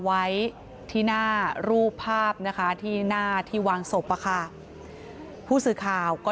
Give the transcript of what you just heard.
ไว้ที่หน้ารูปภาพนะคะที่หน้าที่วางศพอะค่ะผู้สื่อข่าวก็